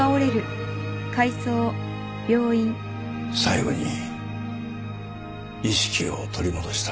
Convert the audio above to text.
最期に意識を取り戻した